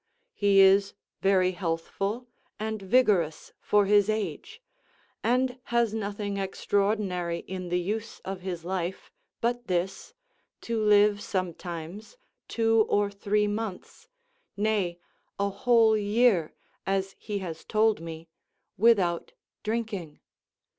He is very healthful and vigorous for his age, and has nothing extraordinary in the use of his life, but this, to live sometimes two or three months, nay, a whole year, as he has told me, without drinking.